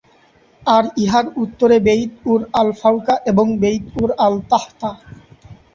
আর ইহার উত্তরে Beit Ur al Fauqa এবং বেইত উর আল-তাহতা।